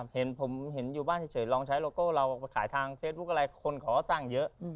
เห็นผมเห็นอยู่บ้านเฉยลองใช้โลโก้เราไปขายทางเฟซบุ๊คอะไรคนขอสร้างเยอะ